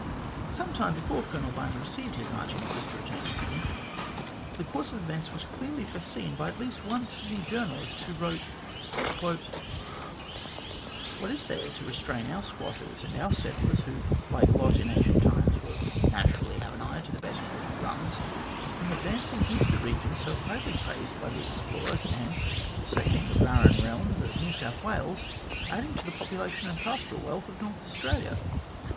Some time before Colonel Barney received his marching orders to return to Sydney, the course of events was clearly foreseen by at least one Sydney journalist, who wrote :" What is there to restrain our squatters and our settlers, who, like Lot in ancient times, will naturally have an eye to the best watered runs, from advancing into the regions so highly praised by the explorers, and, forsaking the barren realms of New South AVales, adding to the population and pastoral wealth of North Australia